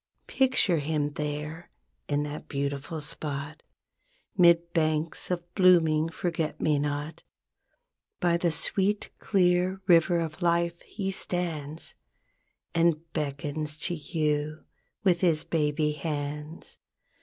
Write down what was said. Picture him there in that beautiful spot 'Mid banks of blooming forget me not. By the sweet, clear river of life he stands, And beckons to you with his baby hands.